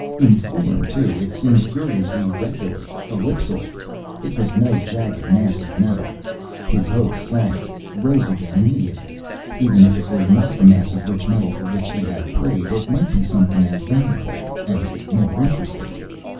In form, too, it seemed curiously regular, ellipsoid. It was no jagged mass of metal. His hopes sank, rose again immediately. Even if it were not the mass of rich metal for which he had prayed, it might be something as valuable and more interesting.